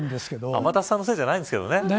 天達さんのせいじゃないんですけどね。